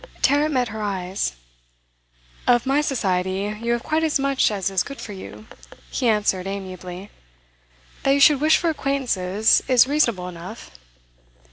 Tarrant met her eyes. 'Of my society, you have quite as much as is good for you,' he answered amiably. 'That you should wish for acquaintances, is reasonable enough.